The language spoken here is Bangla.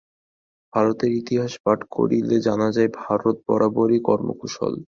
ভারতের ইতিহাস পাঠ করিলে জানা যায়, ভারত বরাবরই কর্মকুশল।